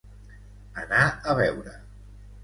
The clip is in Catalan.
Anar a veure.